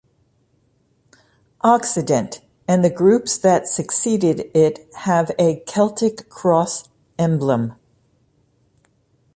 "Occident" and the groups that succeeded it have a Celtic cross emblem.